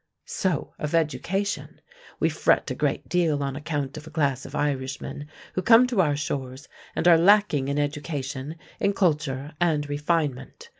So, of education. We fret a great deal on account of a class of Irishmen who come to our shores and are lacking in education, in culture, and refinement.